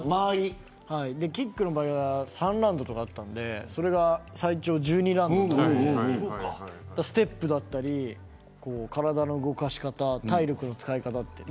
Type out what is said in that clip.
キックの場合は３ラウンドだったのでそれが最長１２ラウンドになるのでステップだったり体の動かし方や体力の使い方など。